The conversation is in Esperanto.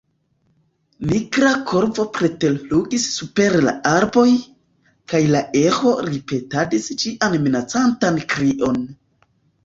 Nigra korvo preterflugis super la arboj, kaj la eĥo ripetadis ĝian minacantan krion.